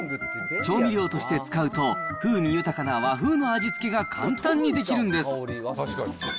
調味料として使うと、風味豊かな和風の味付けが簡単にできるんです。